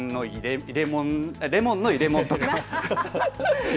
レモンの入れもんとか。